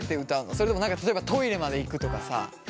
それとも例えばトイレまで行くとかさ。